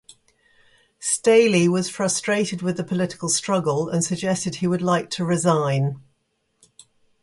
Staley was frustrated with the political struggle, and suggested he would like to resign.